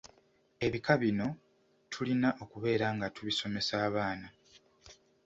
Ebika bino tulina okubeera nga tubisomesa abaana.